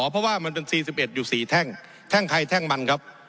เพราะว่ามันเป็น๔๑อยู่๔แท่งแท่งใครแท่งมันครับ